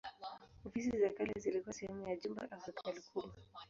Ofisi za kale zilikuwa sehemu ya jumba au hekalu kubwa.